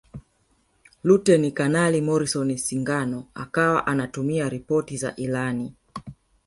Luteni Kanali Morrison Singano akawa anatuma ripoti za ilani